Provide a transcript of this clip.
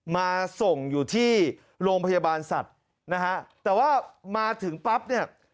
มาส่งอยู่ที่โรงพยาบาลสัตว์นะฮะแต่ว่ามาถึงปั๊บเนี่ย